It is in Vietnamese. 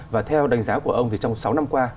và theo đánh giá của ông thì trong sáu năm qua